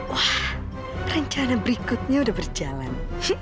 wah rencana berikutnya udah berjalan